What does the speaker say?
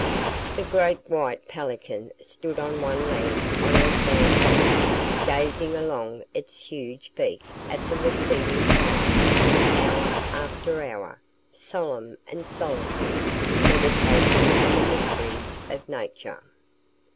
The great white pelican stood on one leg on a sand bank, gazing along its huge beak at the receding tide, hour after hour, solemn and solitary, meditating on the mysteries of Nature.